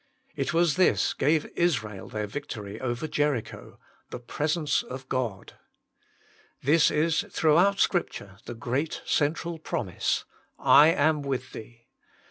It was this gave Israel their vic tory over Jericho : the presence of God. This is throughout Scripture the great central promise : I am with thee.